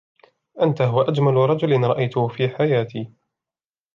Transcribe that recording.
أنت هو أجمل رجل رأيته في حياتي.